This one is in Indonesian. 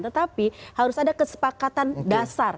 tetapi harus ada kesepakatan dasar